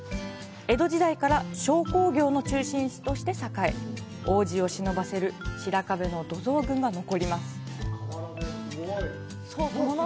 江戸時代から商工業の中心地として栄え往時をしのばせる白壁の土蔵群が残ります。